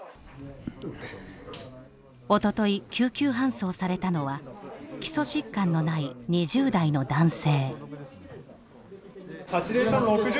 おととい救急搬送されたのは基礎疾患のない２０代の男性。